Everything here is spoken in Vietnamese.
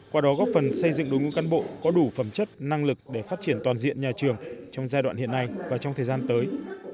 qua đó góp phần xây dựng đối ngũ căn bộ có đủ phẩm chất năng lực để phát triển toàn diện nhà trường trong giai đoạn hiện nay và trong thời gian tới